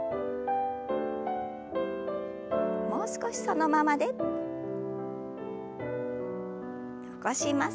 もう少しそのままで。起こします。